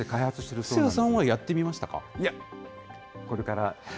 布施谷さんはやってみましたか？